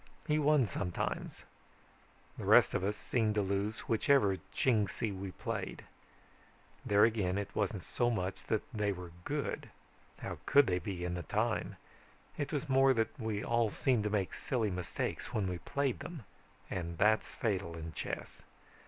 He won sometimes. The rest of us seemed to lose whichever Chingsi we played. There again it wasn't so much that they were good. How could they be, in the time? It was more that we all seemed to make silly mistakes when we played them and that's fatal in chess.